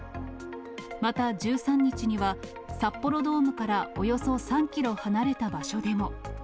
また１３日には札幌ドームからおよそ３キロ離れた場所でも。